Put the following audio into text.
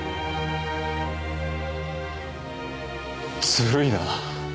ずるいな。